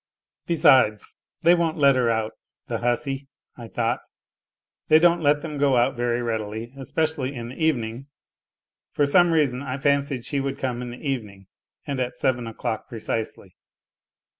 Besides, they won't let her out, " the hussy !" I thought. They don't let them go out very readily, especially hi the evening (for some reason I fancied she would come in the evening, and at seven o'clock precisely).